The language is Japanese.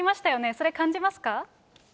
それ、感じますか？